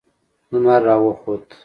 لمر را وخوت.